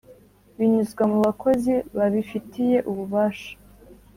Binyuzwa mu bakozi ba bifitiye ububasha